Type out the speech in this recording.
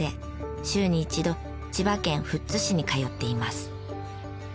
週に１度千葉県富津市に通っています。